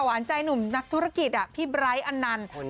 หวานใจหนุ่มนักธุรกิจพี่ไบร์ทอันนันต์